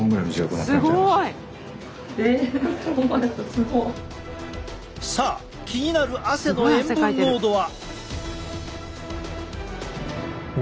すごい！さあ気になる汗の塩分濃度は？